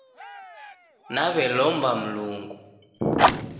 Naw'elomba Mlungu.